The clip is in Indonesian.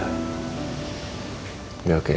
ya oke kita tinggal liat kondisi rina gimana ya